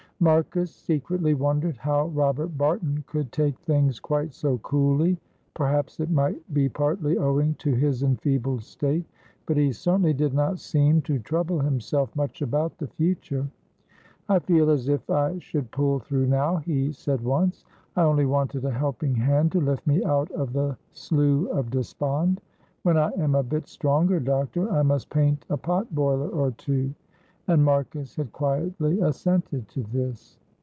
Marcus secretly wondered how Robert Barton could take things quite so coolly. Perhaps it might be partly owing to his enfeebled state, but he certainly did not seem to trouble himself much about the future. "I feel as if I should pull through now," he said, once. "I only wanted a helping hand to lift me out of the slough of despond. When I am a bit stronger, doctor, I must paint a pot boiler or two," and Marcus had quietly assented to this.